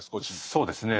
そうですね。